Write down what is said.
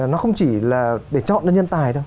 nó không chỉ là để chọn nhân tài đâu